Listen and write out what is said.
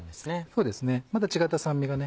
そうですねまた違った酸味がね